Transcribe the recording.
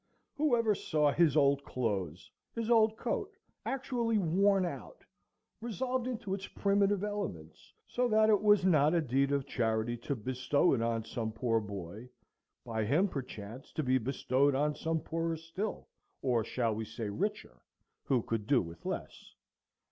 Who ever saw his old clothes,—his old coat, actually worn out, resolved into its primitive elements, so that it was not a deed of charity to bestow it on some poor boy, by him perchance to be bestowed on some poorer still, or shall we say richer, who could do with less?